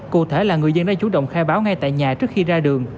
cụ thể là người dân đã chủ động khai báo ngay tại nhà trước khi ra đường